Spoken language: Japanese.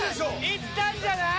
いったんじゃない？